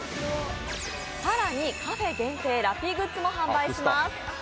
更に、カフェ限定ラッピーグッズも販売します。